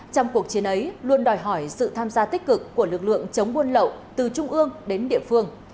trong cuộc chiến ấy luôn đòi hỏi sự tham gia tích cực của lực lượng chống buôn lậu từ trung ương đến địa phương